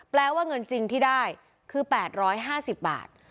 แปลว่าเงินจริงที่ได้คือแปดร้อยห้าสิบบาท